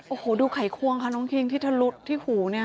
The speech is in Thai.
โอ้โหดูไขควงค่ะน้องคิงที่ทะลุที่หูเนี่ย